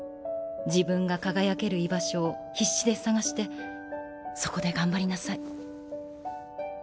自分が輝ける居場所を必死で探してそこで頑張りなさい